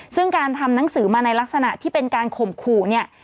ซึ่งการทำหนังสือมาในลักษณะที่เป็นการข่มขู่เนี่ย